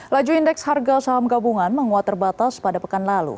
laju indeks harga saham gabungan menguat terbatas pada pekan lalu